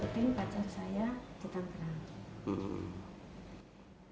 menakuti pacar saya ke tangerang